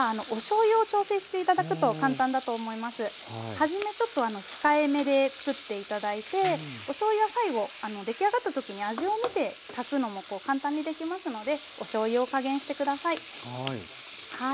はじめちょっと控えめで作って頂いておしょうゆは最後出来上がった時に味を見て足すのも簡単にできますのでおしょうゆを加減して下さい。